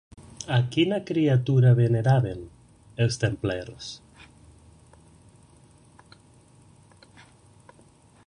A quina criatura veneraven, els templers?